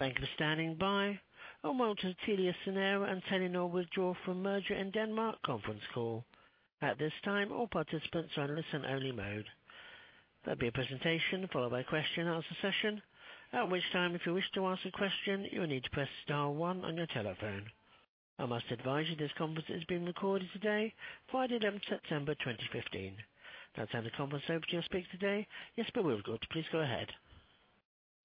Thank you for standing by. Welcome to TeliaSonera and Telenor Withdraw from Merger in Denmark conference call. At this time, all participants are in listen-only mode. There'll be a presentation followed by a question-and-answer session. At which time, if you wish to ask a question, you will need to press star one on your telephone. I must advise you this conference is being recorded today, Friday, September 2015. That's how the conference operator speaks today. Jesper Wijkut, please go ahead.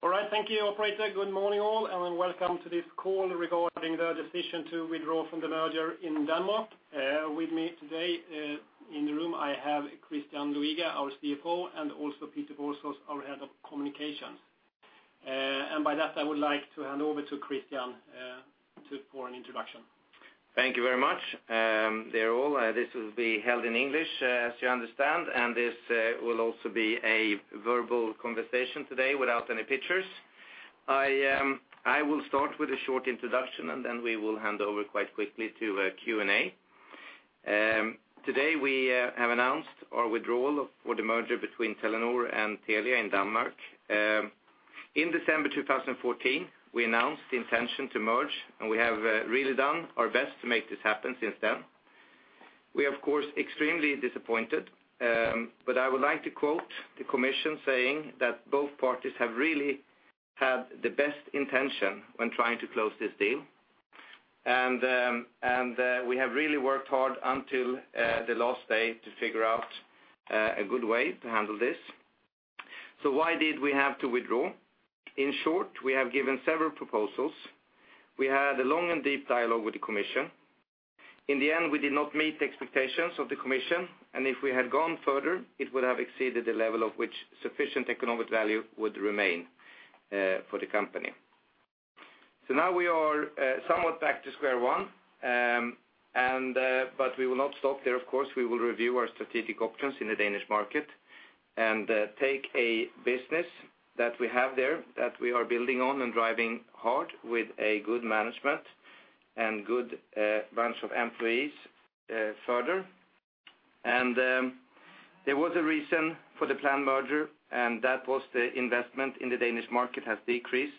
All right, thank you, operator. Good morning, all, welcome to this call regarding the decision to withdraw from the merger in Denmark. With me today, in the room, I have Christian Luiga, our CFO, and also Peter Borsos, our Head of Communications. By that, I would like to hand over to Christian for an introduction. Thank you very much, Jesper Wijkut. This will be held in English, as you understand, this will also be a verbal conversation today without any pictures. I will start with a short introduction. Then we will hand over quite quickly to Q&A. Today we have announced our withdrawal for the merger between Telenor and Telia in Denmark. In December 2014, we announced the intention to merge. We have really done our best to make this happen since then. We are, of course, extremely disappointed. I would like to quote the European Commission saying that both parties have really had the best intention when trying to close this deal. We have really worked hard until the last day to figure out a good way to handle this. Why did we have to withdraw? In short, we have given several proposals. We had a long and deep dialogue with the European Commission. In the end, we did not meet the expectations of the European Commission. If we had gone further, it would have exceeded the level of which sufficient economic value would remain for the company. Now we are somewhat back to square one. We will not stop there, of course. We will review our strategic options in the Danish market and take a business that we have there, that we are building on and driving hard with a good management and good bunch of employees further. There was a reason for the planned merger. That was the investment in the Danish market has decreased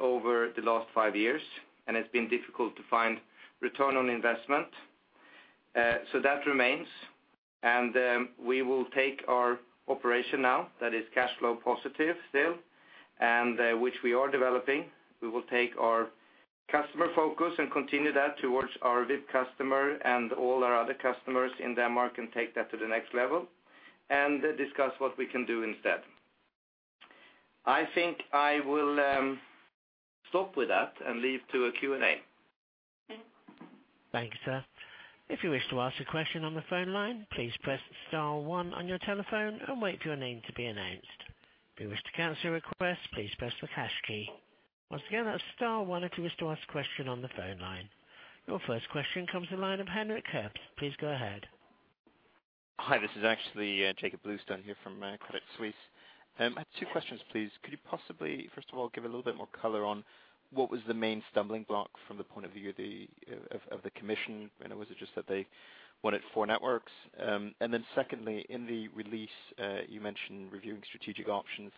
over the last five years, and it's been difficult to find return on investment. That remains. We will take our operation now, that is cash flow positive still, and which we are developing. We will take our customer focus and continue that towards our VIP customer and all our other customers in Denmark and take that to the next level, and discuss what we can do instead. I think I will stop with that and leave to a Q&A. Thank you, sir. If you wish to ask a question on the phone line, please press star one on your telephone and wait for your name to be announced. If you wish to cancel your request, please press the hash key. Once again, that is star one if you wish to ask a question on the phone line. Your first question comes from the line of Henrik Herbst. Please go ahead. Hi, this is actually Jakob Bluestone here from Credit Suisse. I have two questions, please. Could you possibly, first of all, give a little bit more color on what was the main stumbling block from the point of view of the Commission, and was it just that they wanted four networks? Secondly, in the release, you mentioned reviewing strategic options.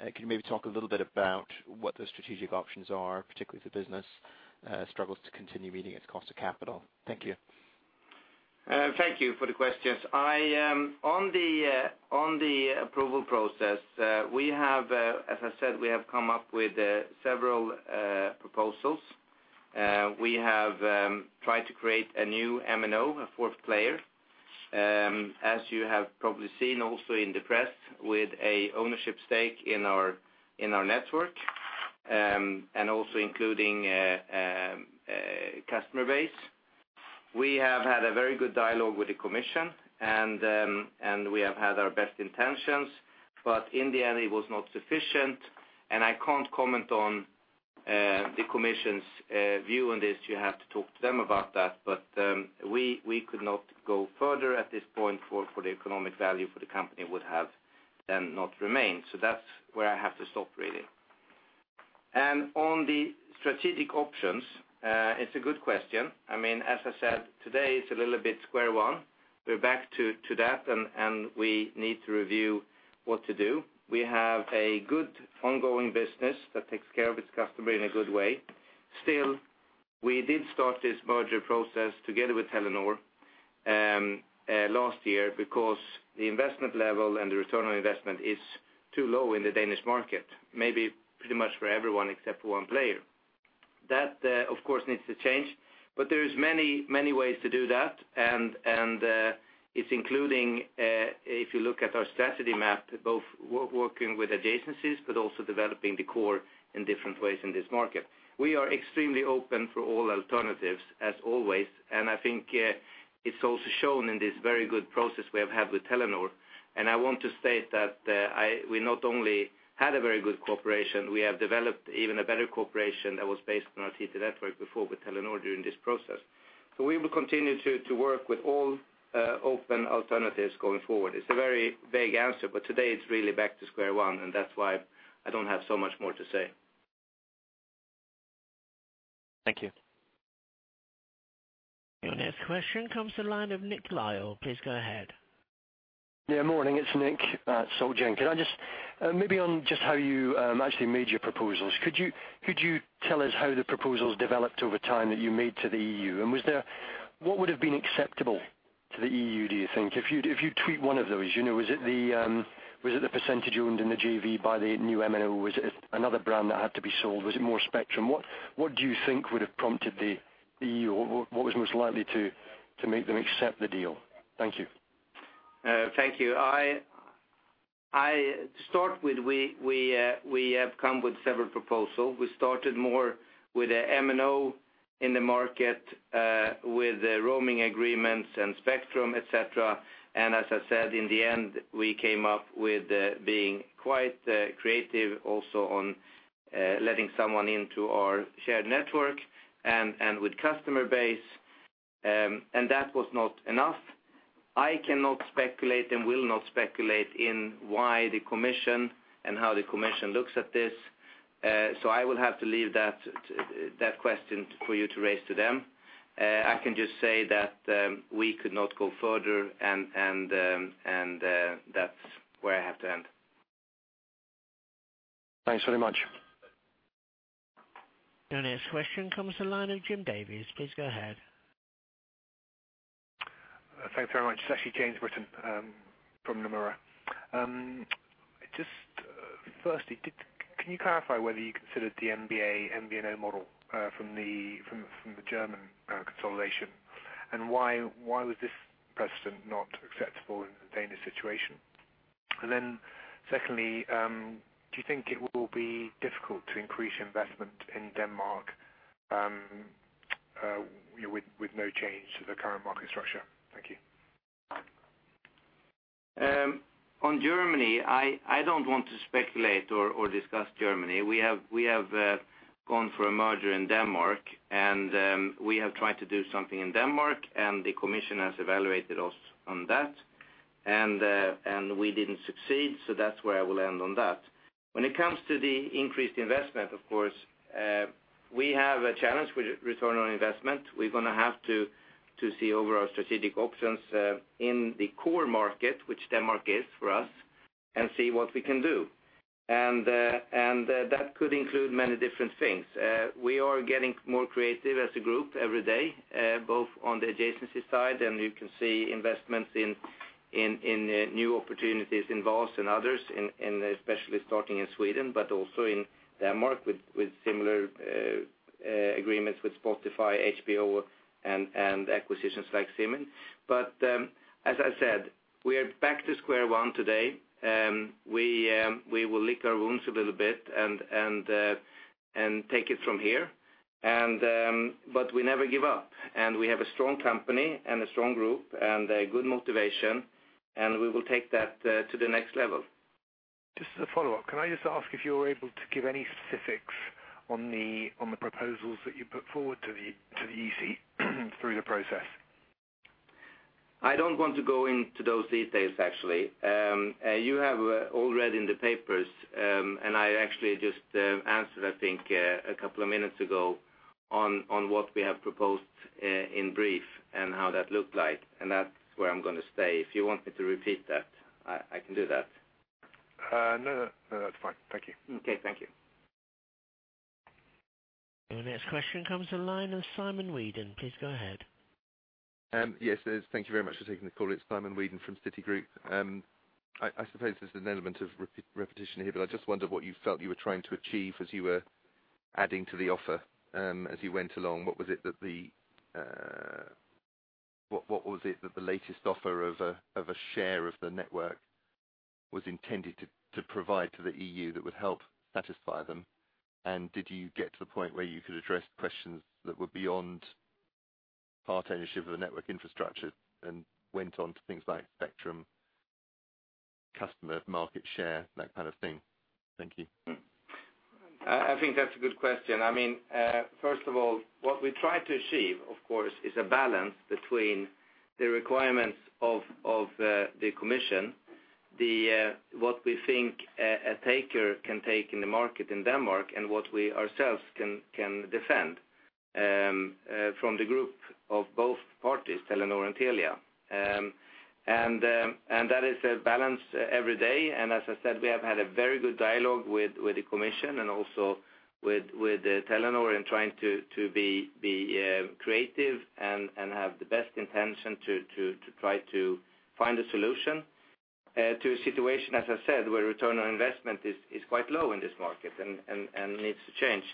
Can you maybe talk a little bit about what those strategic options are, particularly if the business struggles to continue meeting its cost of capital? Thank you. Thank you for the questions. On the approval process, as I said, we have come up with several proposals. We have tried to create a new MNO, a fourth player. As you have probably seen also in the press with an ownership stake in our network, and also including a customer base. We have had a very good dialogue with the Commission, and we have had our best intentions, but in the end, it was not sufficient. I can't comment on the Commission's view on this. You have to talk to them about that. We could not go further at this point, for the economic value for the company would have then not remained. That's where I have to stop really. On the strategic options, it's a good question. As I said, today it's a little bit square one. We're back to that, and we need to review what to do. We have a good ongoing business that takes care of its customer in a good way. Still, we did start this merger process together with Telenor last year because the investment level and the return on investment is too low in the Danish market, maybe pretty much for everyone except for one player. That, of course, needs to change, but there is many ways to do that, and it's including, if you look at our strategy map, both working with adjacencies but also developing the core in different ways in this market. We are extremely open for all alternatives as always, and I think it's also shown in this very good process we have had with Telenor, and I want to state that we not only had a very good cooperation, we have developed even a better cooperation that was based on our Telia network before with Telenor during this process. We will continue to work with all open alternatives going forward. It's a very vague answer, but today it's really back to square one, and that's why I don't have so much more to say. Thank you. Your next question comes to the line of Nick Lyall. Please go ahead. Yeah, morning. It's Nick at SocGen. Maybe on just how you actually made your proposals. Could you tell us how the proposals developed over time that you made to the EU? What would've been acceptable to the EU, do you think? If you treat one of those, was it the percentage owned in the JV by the new MNO? Was it another brand that had to be sold? Was it more spectrum? What do you think would've prompted the EU? What was most likely to make them accept the deal? Thank you. Thank you. To start with, we have come with several proposal. We started more with a MNO in the market, with roaming agreements and spectrum, et cetera. As I said, in the end, we came up with being quite creative also on letting someone into our shared network and with customer base. That was not enough. I cannot speculate and will not speculate in why the Commission and how the Commission looks at this. I will have to leave that question for you to raise to them. I can just say that we could not go further and that's where I have to end. Thanks very much. The next question comes to the line of James Britton. Please go ahead. Thanks very much. It's actually James Britton from Nomura. Firstly, can you clarify whether you considered the MVNA, MVNO model from the German consolidation, and why was this precedent not acceptable in the Danish situation? Secondly, do you think it will be difficult to increase investment in Denmark with no change to the current market structure? Thank you. On Germany, I don't want to speculate or discuss Germany. We have gone for a merger in Denmark, we have tried to do something in Denmark, the commission has evaluated us on that. We didn't succeed, that's where I will end on that. When it comes to the increased investment, of course, we have a challenge with return on investment. We're going to have to see over our strategic options in the core market, which Denmark is for us, and see what we can do. That could include many different things. We are getting more creative as a group every day, both on the adjacency side and you can see investments in new opportunities in Ventures and others, especially starting in Sweden, but also in Denmark with similar agreements with Spotify, HBO and acquisitions like Siemens. As I said, we are back to square one today. We will lick our wounds a little bit, take it from here. We never give up, we have a strong company, a strong group, a good motivation, we will take that to the next level. Just as a follow-up, can I just ask if you're able to give any specifics on the proposals that you put forward to the EC through the process? I don't want to go into those details, actually. You have all read in the papers, I actually just answered, I think a couple of minutes ago on what we have proposed in brief and how that looked like. That's where I'm going to stay. If you want me to repeat that, I can do that. No, that's fine. Thank you. Okay. Thank you. The next question comes to line of Simon Weeden. Please go ahead. Yes. Thank you very much for taking the call. It's Simon Weeden from Citigroup. I suppose there's an element of repetition here, I just wondered what you felt you were trying to achieve as you were adding to the offer as you went along. What was it that the latest offer of a share of the network was intended to provide to the EU that would help satisfy them? Did you get to the point where you could address questions that were beyond part ownership of the network infrastructure and went on to things like spectrum, customer market share, that kind of thing? Thank you. I think that's a good question. First of all, what we try to achieve, of course, is a balance between the requirements of the Commission, what we think a taker can take in the market in Denmark, and what we ourselves can defend from the group of both parties, Telenor and Telia. That is a balance every day. As I said, we have had a very good dialogue with the Commission and also with Telenor in trying to be creative and have the best intention to try to find a solution to a situation, as I said, where return on investment is quite low in this market and needs to change.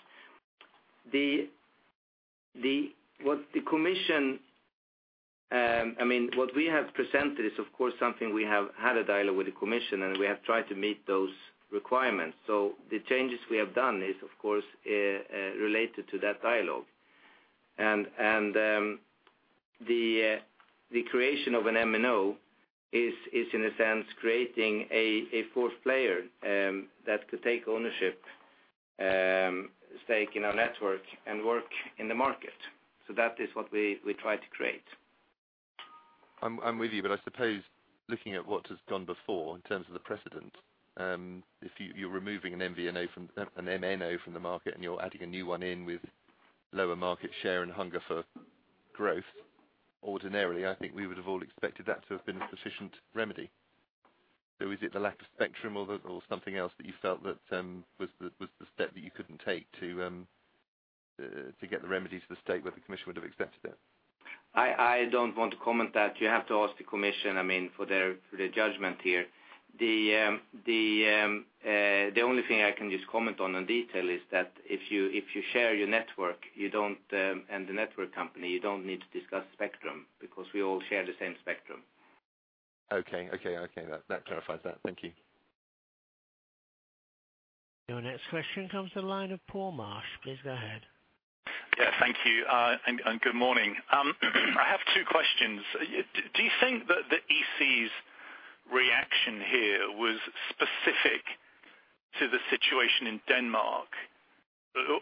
What we have presented is, of course, something we have had a dialogue with the Commission, and we have tried to meet those requirements. The changes we have done is, of course, related to that dialogue. The creation of an MNO is, in a sense, creating a fourth player that could take ownership stake in our network and work in the market. That is what we try to create. I'm with you, I suppose looking at what has gone before in terms of the precedent, if you're removing an MNO from the market and you're adding a new one in with lower market share and hunger for growth, ordinarily, I think we would have all expected that to have been a sufficient remedy. Is it the lack of spectrum or something else that you felt that was the step that you couldn't take to get the remedies to the state where the Commission would have accepted it? I don't want to comment that. You have to ask the Commission for their judgment here. The only thing I can just comment on in detail is that if you share your network and the network company, you don't need to discuss spectrum because we all share the same spectrum. Okay. That clarifies that. Thank you. Your next question comes the line of Paul Marsh. Please go ahead. Yeah, thank you, and good morning. I have two questions. Do you think that the EC's reaction here was specific to the situation in Denmark?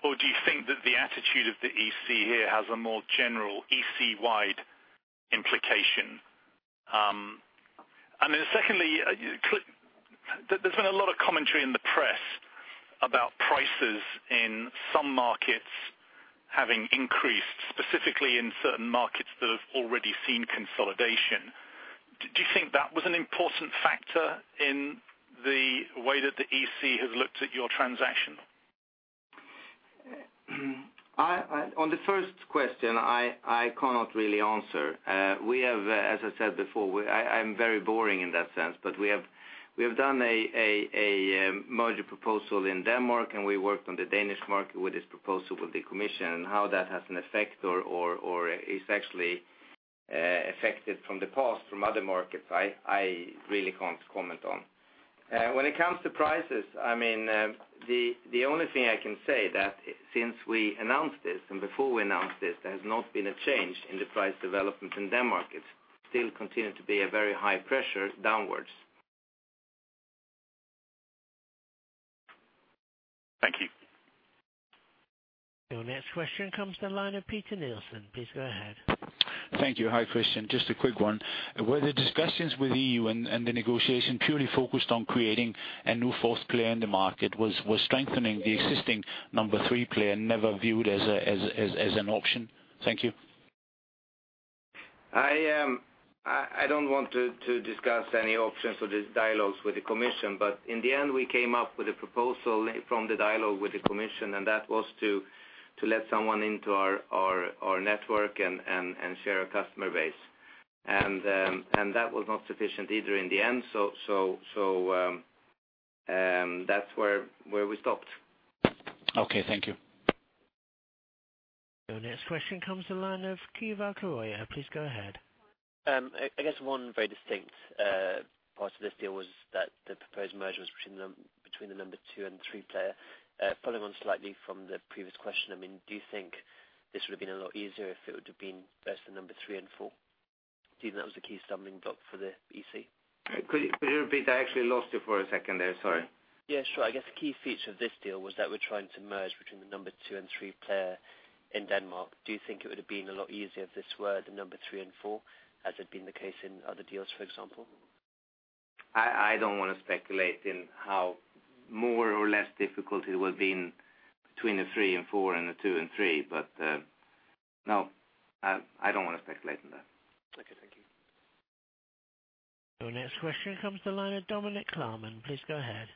Or do you think that the attitude of the EC here has a more general EC-wide implication? Secondly, there's been a lot of commentary in the press about prices in some markets having increased, specifically in certain markets that have already seen consolidation. Do you think that was an important factor in the way that the EC has looked at your transaction? On the first question, I cannot really answer. We have, as I said before, I'm very boring in that sense, but we have done a merger proposal in Denmark, and we worked on the Danish market with this proposal with the Commission, and how that has an effect or is actually affected from the past from other markets, I really can't comment on. When it comes to prices, the only thing I can say that since we announced this and before we announced this, there has not been a change in the price development in Denmark. It still continue to be a very high pressure downwards. Thank you. Your next question comes the line of Peter Nielsen. Please go ahead. Thank you. Hi, Christian. Just a quick one. Were the discussions with EU and the negotiation purely focused on creating a new fourth player in the market? Was strengthening the existing number three player never viewed as an option? Thank you. I don't want to discuss any options for these dialogues with the Commission, in the end, we came up with a proposal from the dialogue with the Commission, that was to let someone into our network and share a customer base. That was not sufficient either in the end, that's where we stopped. Okay, thank you. Your next question comes the line of Keval Khiroya. Please go ahead. I guess one very distinct part of this deal was that the proposed merger was between the number 2 and 3 player. Following on slightly from the previous question, do you think this would've been a lot easier if it would've been versus the number 3 and 4? Do you think that was the key stumbling block for the EC? Could you repeat that? I actually lost you for a second there. Sorry. Yeah, sure. I guess the key feature of this deal was that we're trying to merge between the number 2 and 3 player in Denmark. Do you think it would've been a lot easier if this were the number 3 and 4, as had been the case in other deals, for example? No, I don't want to speculate in how more or less difficult it would've been between the three and four and the two and three. I don't want to speculate on that. Okay, thank you. Your next question comes to the line of Dominic Klarmann. Please go ahead.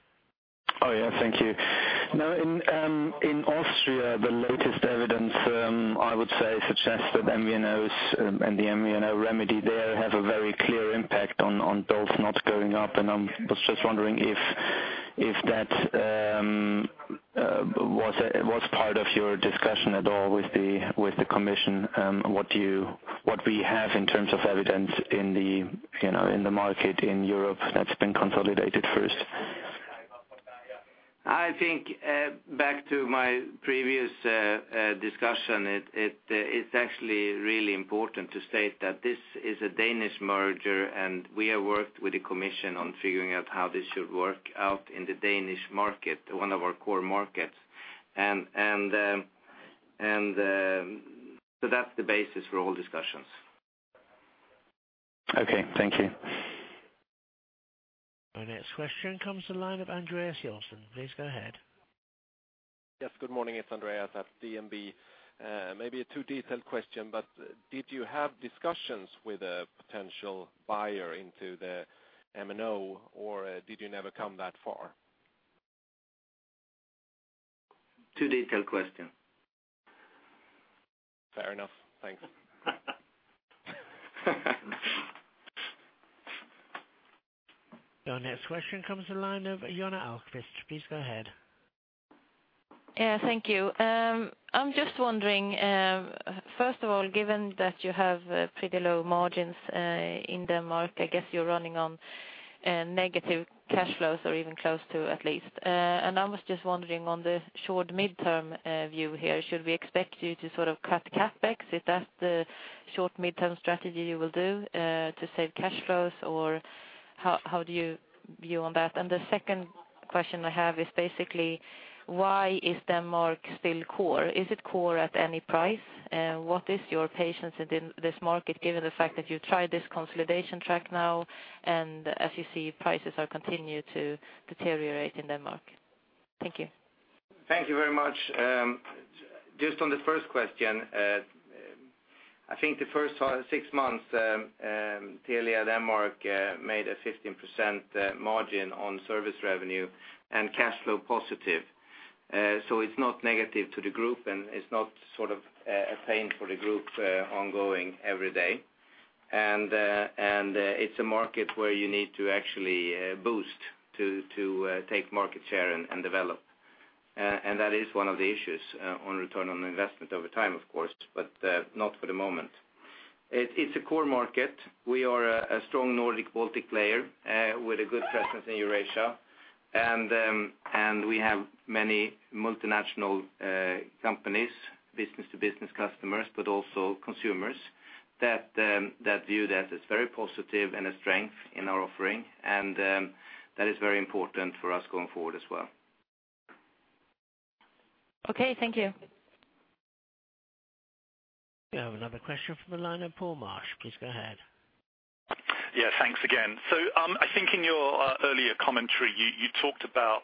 Oh, yeah. Thank you. In Austria, the latest evidence, I would say, suggests that MVNOs and the MVNO remedy there have a very clear impact on both not going up, and I was just wondering if that was part of your discussion at all with the European Commission, what we have in terms of evidence in the market in Europe that's been consolidated first. I think, back to my previous discussion, it's actually really important to state that this is a Danish merger, and we have worked with the European Commission on figuring out how this should work out in the Danish market, one of our core markets. That's the basis for all discussions. Okay, thank you. Our next question comes the line of Andreas Joelsson. Please go ahead. Yes, good morning. It's Andreas at DNB. Maybe a too-detailed question, did you have discussions with a potential buyer into the MNO, or did you never come that far? Too detailed question. Fair enough. Thanks. Our next question comes the line of Jonna Almqvist. Please go ahead. Yeah, thank you. I'm just wondering, first of all, given that you have pretty low margins in Denmark, I guess you're running on negative cash flows or even close to, at least. I was just wondering on the short midterm view here, should we expect you to sort of cut CapEx? Is that the short midterm strategy you will do to save cash flows? How do you view on that? The second question I have is basically why is Denmark still core? Is it core at any price? What is your patience in this market, given the fact that you tried this consolidation track now, and as you see, prices are continue to deteriorate in Denmark? Thank you. Thank you very much. Just on the first question, I think the first six months, Telia Denmark made a 15% margin on service revenue and cash flow positive. It's not negative to the group, and it's not a pain for the group ongoing every day. It's a market where you need to actually boost to take market share and develop. That is one of the issues on return on investment over time, of course, but not for the moment. It's a core market. We are a strong Nordic-Baltic player, with a good presence in Eurasia. We have many multinational companies, business-to-business customers, but also consumers that view that as very positive and a strength in our offering. That is very important for us going forward as well. Okay. Thank you. We have another question from the line of Paul Marsh. Please go ahead. Yeah, thanks again. I think in your earlier commentary, you talked about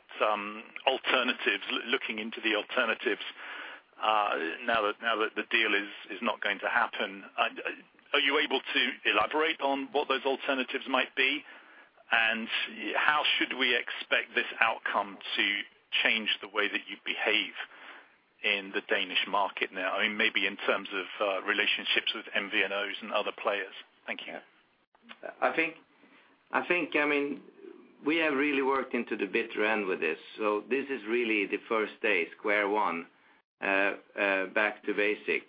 alternatives, looking into the alternatives, now that the deal is not going to happen. Are you able to elaborate on what those alternatives might be? How should we expect this outcome to change the way that you behave in the Danish market now? I mean, maybe in terms of relationships with MVNOs and other players. Thank you. I think we have really worked into the bitter end with this. This is really the first day, square one, back to basic.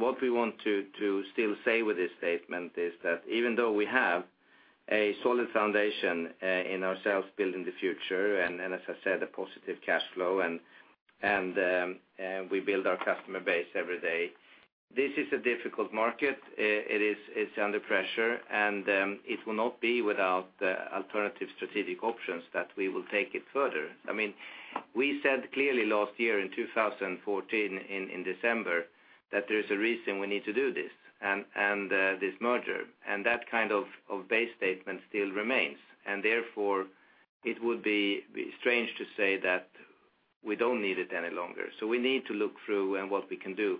What we want to still say with this statement is that even though we have a solid foundation in ourselves building the future, as I said, a positive cash flow, we build our customer base every day. This is a difficult market. It's under pressure, it will not be without alternative strategic options that we will take it further. We said clearly last year in 2014 in December, that there is a reason we need to do this merger, that kind of base statement still remains. Therefore, it would be strange to say that we don't need it any longer. We need to look through and what we can do.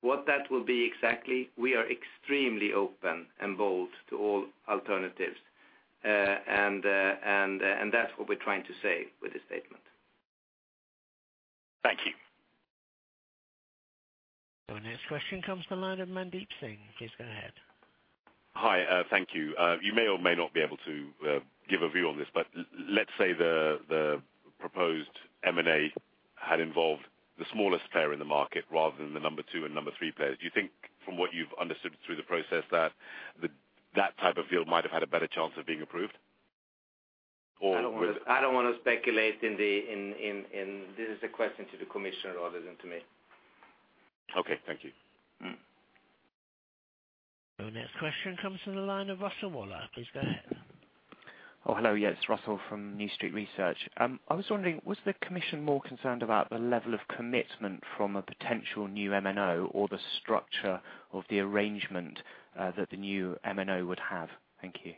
What that will be exactly, we are extremely open and bold to all alternatives. That's what we're trying to say with this statement. Thank you. Our next question comes from the line of Mandeep Singh. Please go ahead. Hi. Thank you. You may or may not be able to give a view on this, but let's say the proposed M&A had involved the smallest player in the market rather than the number 2 and number 3 players. Do you think from what you've understood through the process that type of deal might have had a better chance of being approved? I don't want to speculate. This is a question to the Commissioner rather than to me. Okay. Thank you. Our next question comes from the line of Russell Waller. Please go ahead. Oh, hello. Yes. It's Russell from New Street Research. I was wondering, was the commission more concerned about the level of commitment from a potential new MNO or the structure of the arrangement that the new MNO would have? Thank you.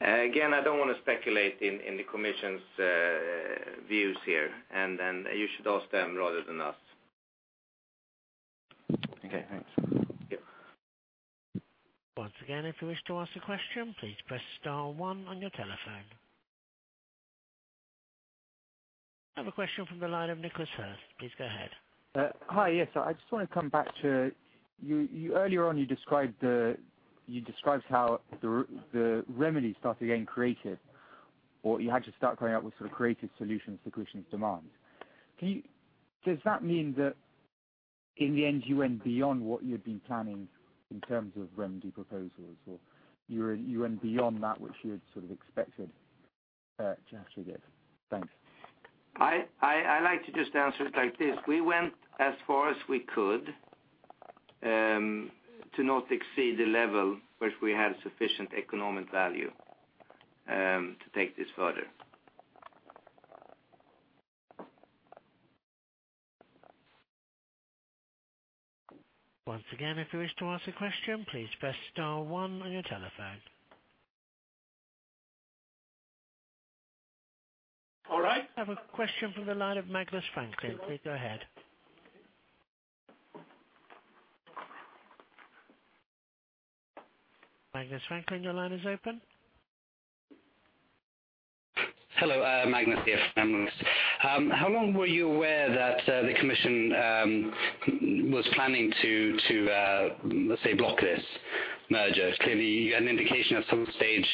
Again, I don't want to speculate in the Commission's views here, and you should ask them rather than us. Okay, thanks. Yep. Once again, if you wish to ask a question, please press star one on your telephone. I have a question from the line of Nicholas Hurst. Please go ahead. Hi. Yes, I just want to come back to, earlier on, you described how the remedy started getting created, or you had to start coming up with sort of creative solutions to Commision's demand. Does that mean that in the end, you went beyond what you had been planning in terms of remedy proposals, or you went beyond that which you had sort of expected to actually give? Thanks. I like to just answer it like this. We went as far as we could, to not exceed the level which we had sufficient economic value, to take this further. Once again, if you wish to ask a question, please press star one on your telephone. All right. I have a question from the line of Magnus Franklin. Please go ahead. Magnus Franklin, your line is open. Hello. Magnus here from Magnus. How long were you aware that the Commission was planning to let's say, block this merger? Clearly, you had an indication at some stage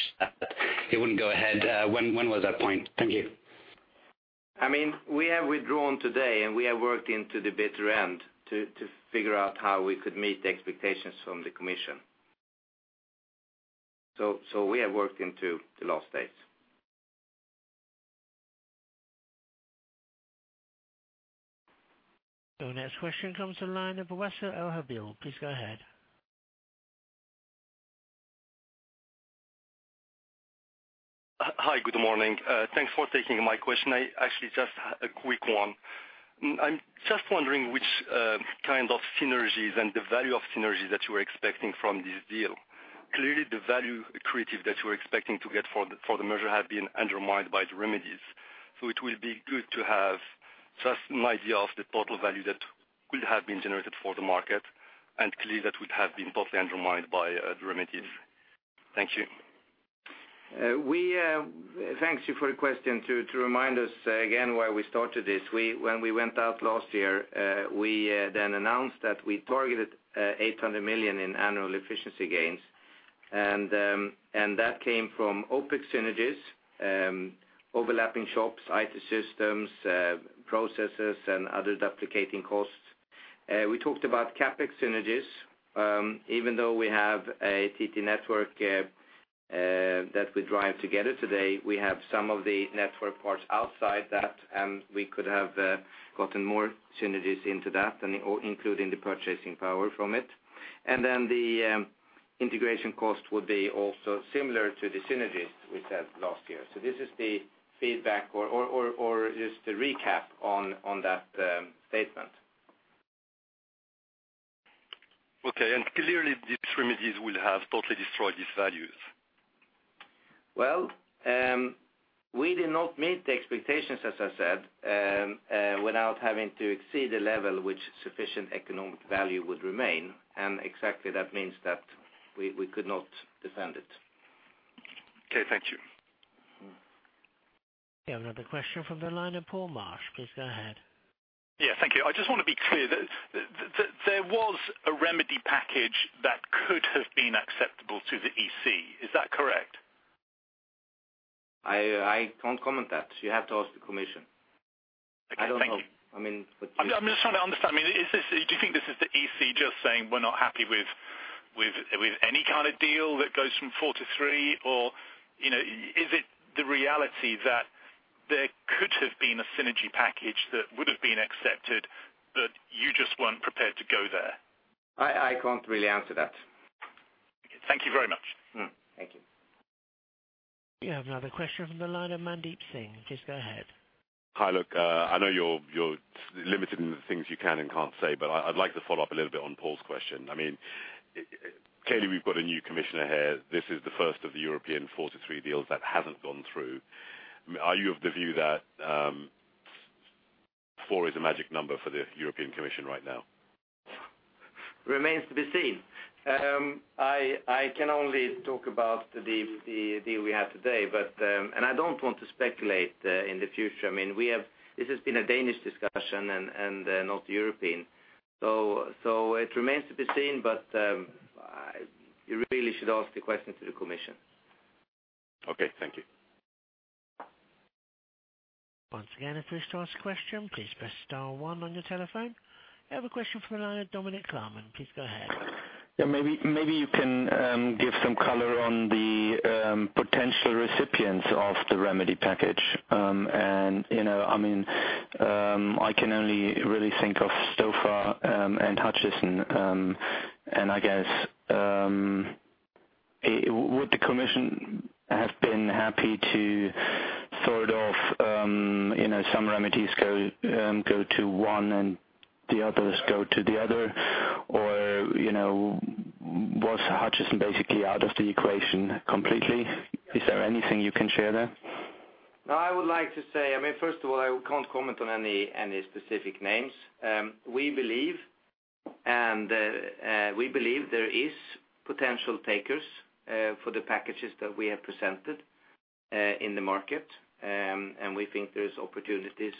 it wouldn't go ahead. When was that point? Thank you. We have withdrawn today. We have worked into the bitter end to figure out how we could meet the expectations from the Commission. We have worked into the last days. The next question comes to the line of Wesa Alhabiel. Please go ahead. Hi. Good morning. Thanks for taking my question. Actually just a quick one. I'm just wondering which kind of synergies and the value of synergies that you were expecting from this deal. Clearly, the value accretive that you're expecting to get for the merger has been undermined by the remedies. It will be good to have just an idea of the total value that could have been generated for the market, and clearly that would have been totally undermined by the remedies. Thank you. Thank you for the question. To remind us again why we started this, when we went out last year, we then announced that we targeted 800 million in annual efficiency gains. That came from OpEx synergies, overlapping shops, IT systems, processes, and other duplicating costs. We talked about CapEx synergies. Even though we have a TT-Netværket that we drive together today, we have some of the network parts outside that, and we could have gotten more synergies into that and including the purchasing power from it. Then the integration cost would be also similar to the synergies we said last year. This is the feedback or just a recap on that statement. Okay. Clearly these remedies will have totally destroyed these values. Well, we did not meet the expectations, as I said, without having to exceed the level which sufficient economic value would remain. Exactly that means that we could not defend it. Okay. Thank you. We have another question from the line of Paul Marsh. Please go ahead. Yeah. Thank you. I just want to be clear that there was a remedy package that could have been acceptable to the EC. Is that correct? I can't comment that. You have to ask the commission. Okay. Thank you. I don't know. I'm just trying to understand. Do you think this is the EC just saying we're not happy with any kind of deal that goes from four to three, or is it the reality that there could have been a synergy package that would have been accepted, but you just weren't prepared to go there? I can't really answer that. Thank you very much. Thank you. We have another question from the line of Mandeep Singh. Please go ahead. Hi. Look, I know you're limited in the things you can and can't say, I'd like to follow up a little bit on Paul's question. Clearly, we've got a new commissioner here. This is the first of the European 4 to 3 deals that hasn't gone through. Are you of the view that 4 is a magic number for the European Commission right now? Remains to be seen. I can only talk about the deal we have today. I don't want to speculate in the future. This has been a Danish discussion and North European. It remains to be seen, but you really should ask the question to the Commission. Okay. Thank you. Once again, if you wish to ask a question, please press star one on your telephone. I have a question from the line of Dominic Klarmann. Please go ahead. Yeah, maybe you can give some color on the potential recipients of the remedy package. I can only really think of Stofa and Hutchison. I guess, would the Commission have been happy to thought of some remedies go to one and the others go to the other, or was Hutchison basically out of the equation completely? Is there anything you can share there? I would like to say, first of all, I can't comment on any specific names. We believe there is potential takers for the packages that we have presented in the market, and we think there's opportunities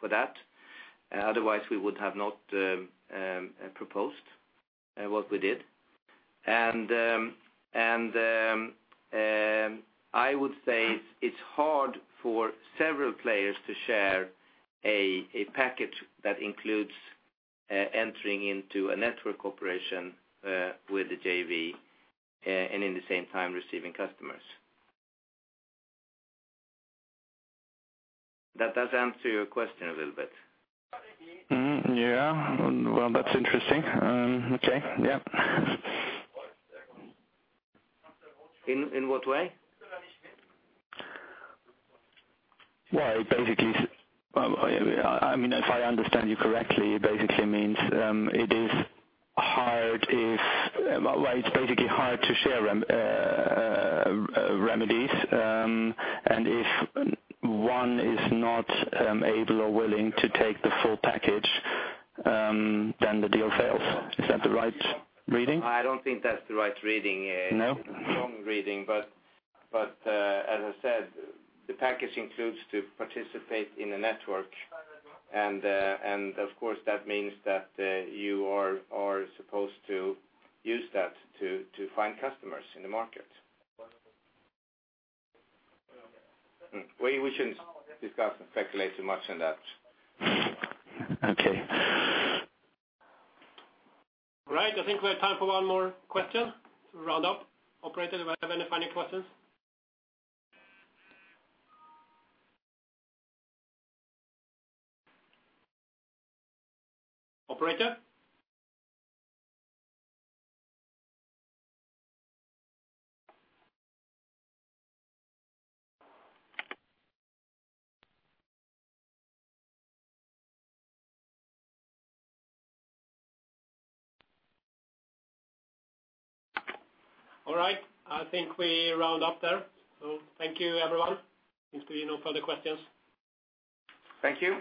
for that. Otherwise, we would have not proposed what we did. I would say it's hard for several players to share a package that includes entering into a network operation with a JV and in the same time receiving customers. That does answer your question a little bit. Yeah. Well, that's interesting. Okay. Yeah. In what way? Well, if I understand you correctly, it basically means it's basically hard to share remedies, and if one is not able or willing to take the full package, then the deal fails. Is that the right reading? I don't think that's the right reading. No? Wrong reading. As I said, the package includes to participate in a network. Of course, that means that you are supposed to use that to find customers in the market. We shouldn't discuss and speculate too much on that. Okay. All right. I think we have time for one more question to round up. Operator, do I have any final questions? Operator? All right. I think we round up there. Thank you, everyone. Seems to be no further questions. Thank you.